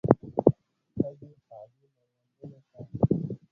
ښځې خالي مړوندونو ته